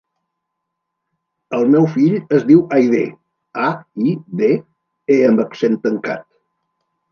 El meu fill es diu Aidé: a, i, de, e amb accent tancat.